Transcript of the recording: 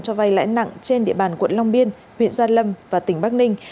cho vay lãi nặng trên địa bàn quận long biên huyện gia lâm và tỉnh bắc ninh